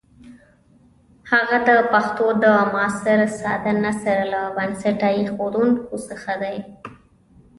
هغه د پښتو د معاصر ساده نثر له بنسټ ایښودونکو څخه دی.